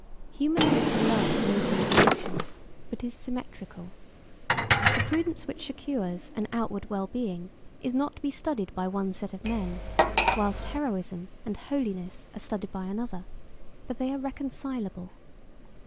Human nature loves no contradictions, but is symmetrical. The prudence which secures an outward well being is not to be studied by one set of men, whilst heroism and holiness are studied by another, but they are reconcilable.